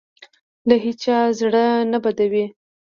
له هېچا زړه نه بدوي.